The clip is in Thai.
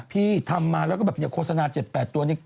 พี่ทำมาแล้วก็แบบโฆษณา๗๘ตัวนี้